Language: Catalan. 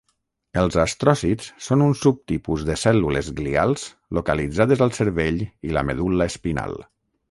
Els astròcits són un subtipus de cèl·lules glials localitzades al cervell i la medul·la espinal.